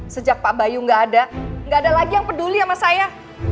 sejak pak bayu nggak ada nggak ada lagi yang peduli sama saya